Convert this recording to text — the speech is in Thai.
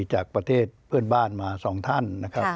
จากประเทศเพื่อนบ้านมา๒ท่านนะครับ